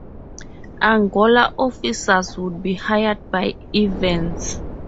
Angola officers would be hired by Evans.